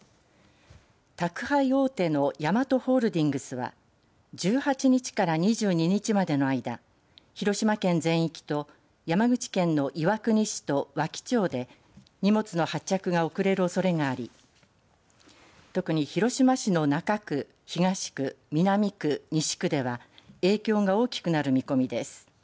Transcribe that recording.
宅配大手のヤマトホールディングスは１８日から２２日までの間広島県全域と山口県の岩国市と和木町で荷物の発着が遅れるおそれがあり特に広島市の中区、東区南区、西区では影響が大きくなる見込みです。